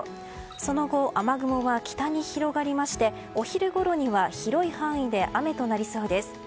その後、雨雲は北に広がりましてお昼ごろには広い範囲で雨となりそうです。